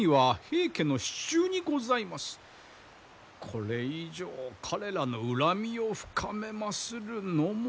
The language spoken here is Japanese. これ以上彼らの恨みを深めまするのも。